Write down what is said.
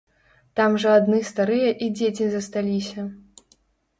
Там жа адны старыя і дзеці засталіся!